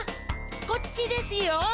こっちですよ。